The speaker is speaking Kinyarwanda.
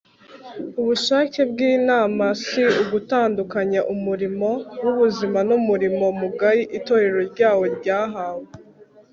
ubushake bw'imana si ugutandukanya umurimo w'ubuzima n'umurimo mugari itorero ryayo ryahawe